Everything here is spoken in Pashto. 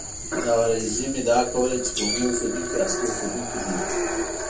دغه رژیم ادعا کوله چې بومي اوسېدونکي اصلي اوسېدونکي نه دي.